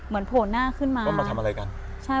เหมือนโผนหน้าขึ้นมา